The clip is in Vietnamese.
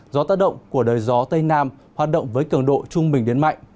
gió tác động của đời gió tây nam hoạt động với cường độ trung bình đến mạnh